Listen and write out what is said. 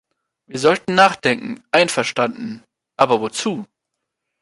Wir sollten nachdenken, einverstanden, aber wozu?